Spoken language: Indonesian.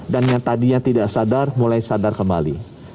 dan yang tadinya tidak sadar mulai sadar kembali